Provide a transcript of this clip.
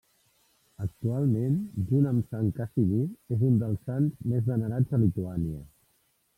Actualment, junt amb Sant Casimir és un dels Sants més venerats a Lituània.